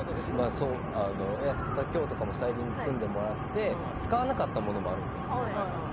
きょうとかもスタイリングを組んでもらって使わなかったものもあるんですよ。